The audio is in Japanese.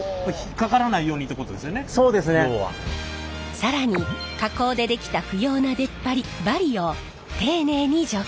更に加工で出来た不要な出っ張りバリを丁寧に除去。